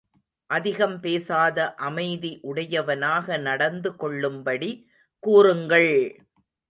அதிகம் பேசாத அமைதி உடையவனாக நடந்து கொள்ளும்படி கூறுங்கள்!